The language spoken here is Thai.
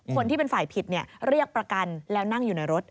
คนที่เป็นฝ่ายผิดเรียกประกันแล้วนั่งอยู่ในรถ